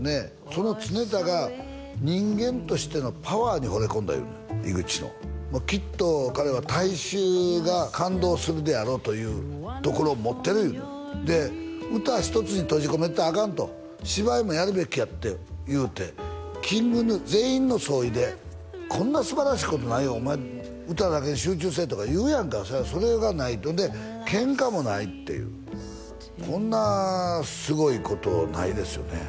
その常田が人間としてのパワーにほれ込んだ言うねん井口のきっと彼は大衆が感動するであろうというところを持ってる言うねんで歌一つに閉じ込めてたらアカンと芝居もやるべきやって言うてＫｉｎｇＧｎｕ全員の総意でこんなすばらしいことないよお前歌だけに集中せえとか言うやんかそりゃそれがないほんでケンカもないっていうこんなすごいことないですよね